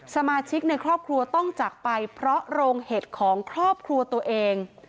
สมาชิกในครอบครัวต้องจากไปเพราะโรงเห็ดของครอบครัวตัวเอง